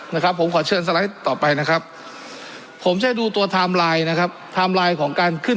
นะครับผมขอเชิญต่อไปนะครับผมจะดูตัวนะครับของการขึ้น